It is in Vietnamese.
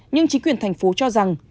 nhưng chính quyền thành phố cho rằng